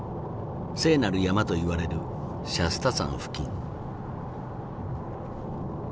聖なる山といわれるシャスタ山付近。